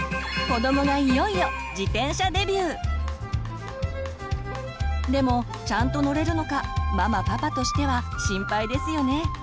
子どもがいよいよでもちゃんと乗れるのかママパパとしては心配ですよね。